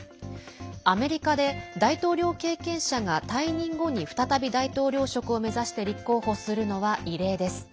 アメリカで大統領経験者が退任後に再び大統領職を目指して立候補するのは異例です。